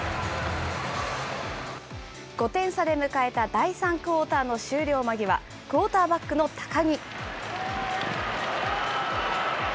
５点差で迎えた第３クオーターの終了間際、クオーターバックの高木。